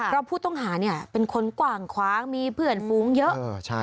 เพราะผู้ต้องหาเป็นคนกว้างขวางมีเพื่อนฟู้งเยอะ